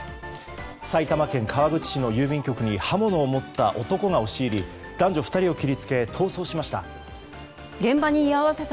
埼玉県川口市の郵便局に刃物を持った男が押し入り男女２人を切りつけ逃走しました。